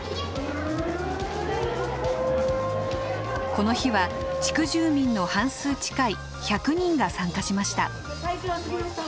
この日は地区住民の半数近い１００人が参加しました。